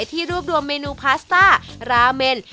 ที่รวบรวมเมนูพาสต้าราเมน